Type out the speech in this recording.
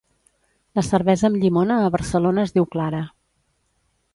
La cervesa amb llimona a Barcelona es diu clara